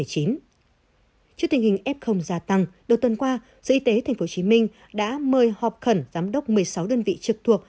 trước tình hình f gia tăng đầu tuần qua sở y tế tp hcm đã mời họp khẩn giám đốc một mươi sáu đơn vị trực thuộc